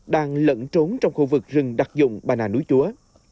đang lẫn trốn trong khu vực rừng đặc dụng bà nà núi chúa